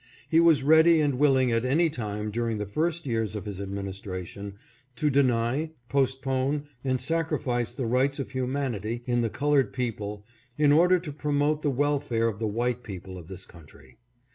He was ready and willing at any time during the first years of his administration to deny, postpone and sacrifice the rights of humanity in the colored people in order to promote the welfare of the white people of this country.